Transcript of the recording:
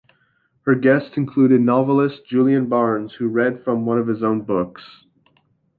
Her guests included novellist Julian Barnes, who read from one of his own books.